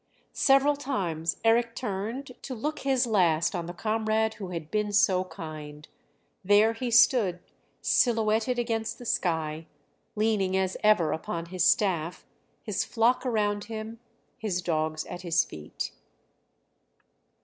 Several times Eric turned to look his last on the comrade who had been so kind; there he stood silhouetted against the sky, leaning as ever upon his staff, his flock around him, his dogs at his feet.